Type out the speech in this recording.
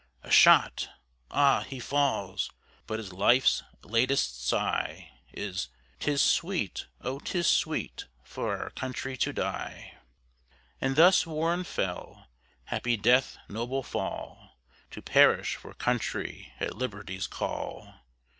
A shot! Ah! he falls! but his life's latest sigh Is, "'Tis sweet, oh, 'tis sweet for our country to die!" And thus Warren fell! Happy death! noble fall! To perish for country at Liberty's call!